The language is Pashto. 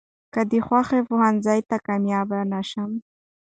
،که د خوښې پوهنځۍ ته کاميابه نشم.